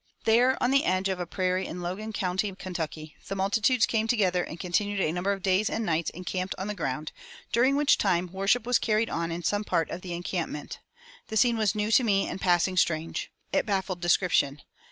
"There, on the edge of a prairie in Logan County, Kentucky, the multitudes came together and continued a number of days and nights encamped on the ground, during which time worship was carried on in some part of the encampment. The scene was new to me and passing strange. It baffled description.